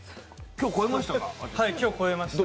今日超えました。